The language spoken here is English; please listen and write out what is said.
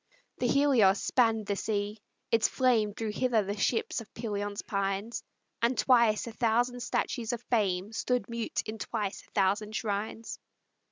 The Helios spanned the sea: its flame Drew hither the ships of Pelion's pines, And twice a thousand statues of fame Stood mute in twice a thousand shrines.